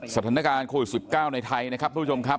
สถานการณ์โควิด๑๙ในไทยนะครับทุกผู้ชมครับ